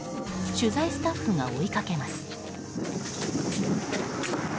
取材スタッフが追いかけます。